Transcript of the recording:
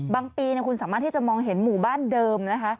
ปีคุณสามารถที่จะมองเห็นหมู่บ้านเดิมนะคะ